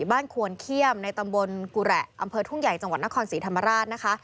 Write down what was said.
ควนเขี้ยมในตำบลกุแหละอำเภอทุ่งใหญ่จังหวัดนครศรีธรรมราชนะคะ